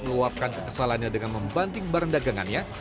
menguapkan kesalahannya dengan membanting barang dagangannya